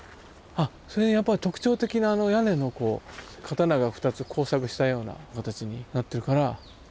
それにやっぱり特徴的な屋根のこう刀が２つ交錯したような形になってるから絶対これだ。